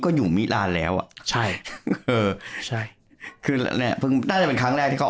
ก็อยู่มีลันด์แล้วอ่ะใช่เออใช่คือแน่น่าจะเป็นครั้งแรกที่เขา